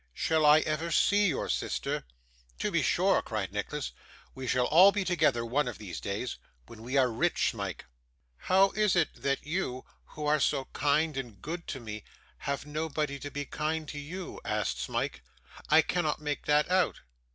'Shall I ever see your sister?' 'To be sure,' cried Nicholas; 'we shall all be together one of these days when we are rich, Smike.' 'How is it that you, who are so kind and good to me, have nobody to be kind to you?' asked Smike. 'I cannot make that out.